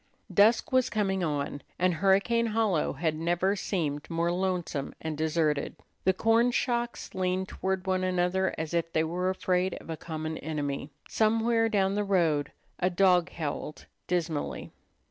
Dusk was coming on, and Hurricane Hollow had never seemed more lonesome and deserted. The corn shocks leaned toward one another as if they were afraid of a common enemy. Somewhere down the road a dog howled dismally.